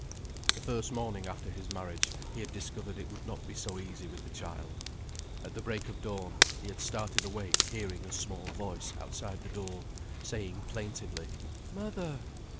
The first morning after his marriage he had discovered it would not be so easy with the child. At the break of dawn he had started awake hearing a small voice outside the door saying plaintively: "Mother!"